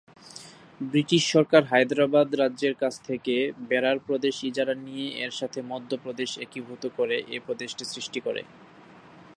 British সরকার হায়দ্রাবাদ রাজ্যের কাছ থেকে বেরার প্রদেশ ইজারা নিয়ে এর সাথে মধ্য প্রদেশ একীভূত করে এ প্রদেশটি সৃষ্টি করে।